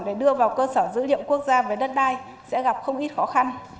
để đưa vào cơ sở giữ hiệu quốc gia về đất đai sẽ gặp không ít khó khăn